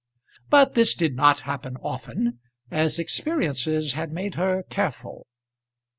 But this did not happen often, as experiences had made her careful.